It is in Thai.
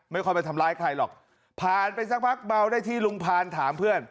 ไม่ค่อยไปทำร้ายใครหรอกผ่านไปสักพักเบาได้ที่ลุงพานถามเพื่อน